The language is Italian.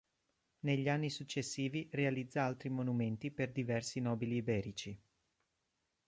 Negli anni successivi realizza altri monumenti per diversi nobili iberici.